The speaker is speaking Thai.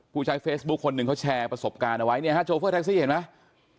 ผู้ใช้เฟซบุ๊คคนหนึ่งเขาแชร์ประสบการณ์เอาไว้เนี่ยฮะโชเฟอร์แท็กซี่เห็นไหม